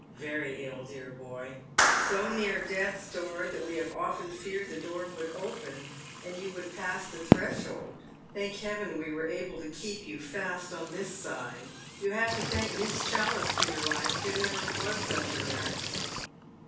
" Very ill, dear boy ; so near death's door that we have often feared the door would open and you would pass the threshold. Thank Heaven, we were able to keep you fast on this side. You have to thank Miss Challice for your life, — there never was such A nurse."